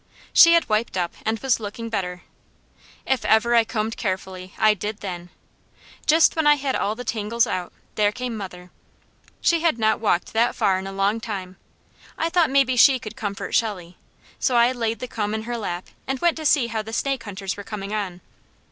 She had wiped up and was looking better. If ever I combed carefully I did then. Just when I had all the tangles out, there came mother. She had not walked that far in a long time. I thought maybe she could comfort Shelley, so I laid the comb in her lap and went to see how the snake hunters were coming on.